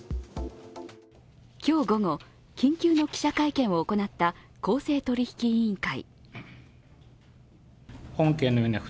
今日午後、緊急の記者会見を行った公正取引委員会。